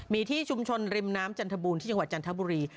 มีที่ชุมชนริมน้ำจันทบูรณ์ที่จังหวัดจันทบุรี